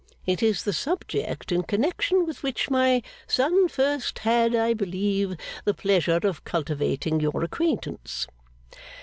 It is the subject in connection with which my son first had, I believe, the pleasure of cultivating your acquaintance.